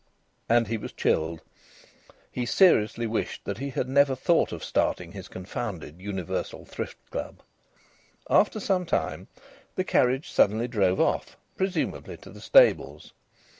And he was chilled. He seriously wished that he had never thought of starting his confounded Universal Thrift Club. After some time the carriage suddenly drove off, presumably to the stables.